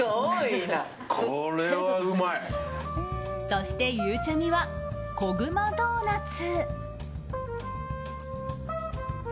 そして、ゆうちゃみはコグマドーナツ。